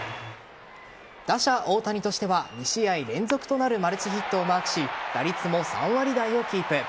打者・大谷としては２試合連続となるマルチヒットをマークし打率も３割台をキープ。